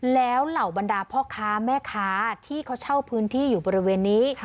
แล้วเหล่าบรรดาพ่อค้าแม่ค้าที่เขาเช่าพื้นที่อยู่บริเวณนี้